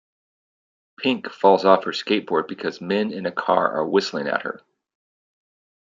Pink falls off her skateboard because men in a car are whistling at her.